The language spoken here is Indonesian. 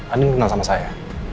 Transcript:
andien kenal sama saya